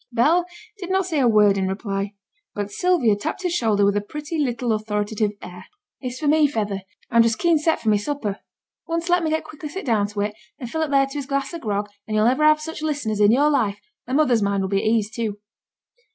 Bell did not say a word in reply, but Sylvia tapped his shoulder with a pretty little authoritative air. 'It's for me, feyther. I'm just keen set for my supper. Once let me get quickly set down to it, and Philip there to his glass o' grog, and you'll never have such listeners in your life, and mother's mind will be at ease too.'